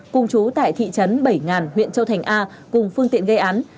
cùng chú tại thị trấn bảy ngàn huyện châu thành a cùng phương tiện gây án